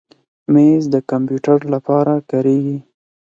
مېز د کمپیوټر لپاره کارېږي.